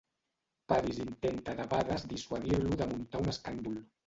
Paris intenta debades dissuadir-lo de muntar un escàndol.